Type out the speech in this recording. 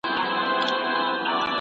کرۍ ورځ پر باوړۍ ګرځي ګړندی دی !.